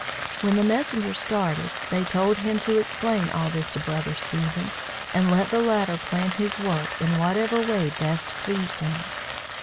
When the messenger started, they told him to explain all this to Brother Stephen, and let the latter plan his work in whatever way best pleased him.